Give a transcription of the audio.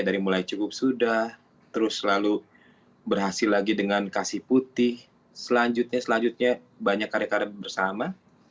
dari mulai cukup sudah terus lalu berhasil lagi dengan kasih putih selanjutnya selanjutnya banyak karya karya bersama